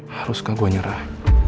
haruskah gue nyerah